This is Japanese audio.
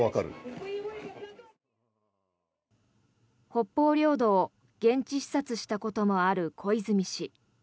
北方領土を現地視察したこともある小泉氏。